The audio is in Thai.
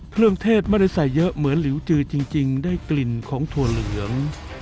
เทศไม่ได้ใส่เยอะเหมือนหลิวจือจริงได้กลิ่นของถั่วเหลือง